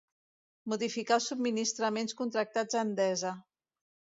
Modificar els subministraments contractats a Endesa.